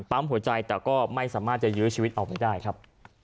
หัวใจแต่ก็ไม่สามารถจะยื้อชีวิตเอาไว้ได้ครับ